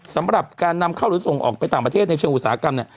สำหรับการนำเข้าหรือส่งออกไปต่างประเทศในเชิงอุตสาหกรรมเนี่ย